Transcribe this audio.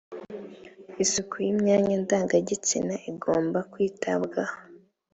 isuku y ‘imyanya ndangagitsina igomba kwitabwaho.